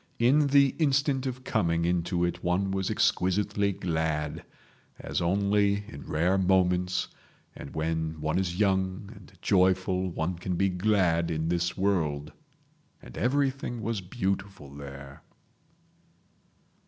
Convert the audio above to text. In the instant of coming into it one was exquisitely glad—as only in rare moments and when one is young and joyful one can be glad in this world. And everything was beautiful there